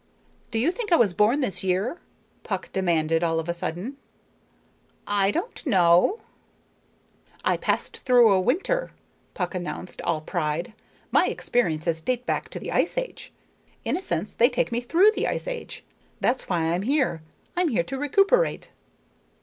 "Do you think I was born this year?" Puck demanded all of a sudden. "I don't know." "I passed through a winter," Puck announced, all pride. "My experiences date back to the ice age. In a sense they take me through the ice age. That's why I'm here I'm here to recuperate."